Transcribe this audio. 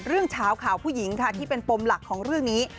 เฉาข่าวผู้หญิงค่ะที่เป็นปมหลักของเรื่องนี้